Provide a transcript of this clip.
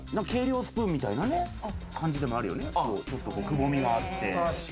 計量スプーンみたいな感じでもあるよね、ちょっとくぼみがあって。